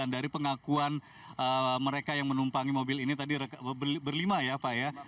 dari pengakuan mereka yang menumpangi mobil ini tadi berlima ya pak ya